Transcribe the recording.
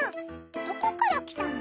どこから来たの？